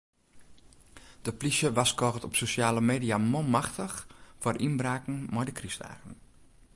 De plysje warskôget op sosjale media manmachtich foar ynbraken mei de krystdagen.